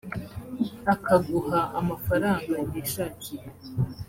akaguha amafaranga yishakiye